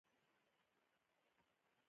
عجله بده ده.